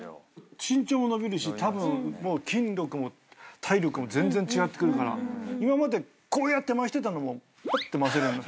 身長も伸びるしたぶん筋力も体力も全然違ってくるから今までこうやって回してたのもぷって回せるように。